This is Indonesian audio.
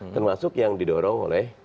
termasuk yang didorong oleh